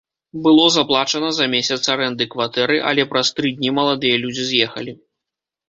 Было заплачана за месяц арэнды кватэры, але праз тры дні маладыя людзі з'ехалі.